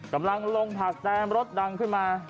กำลังลงผักแซมรถดังขึ้นมา